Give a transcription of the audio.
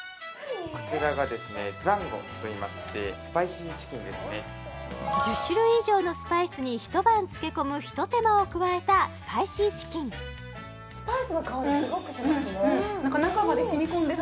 こちらがですねフランゴといいまして１０種類以上のスパイスに一晩漬け込む一手間を加えたスパイシーチキン熱々だ